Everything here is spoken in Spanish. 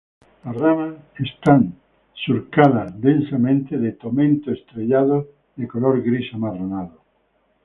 Las ramas están surcadas con tomento densamente estrellados de color gris amarronado.